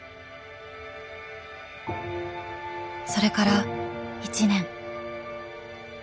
それから１年。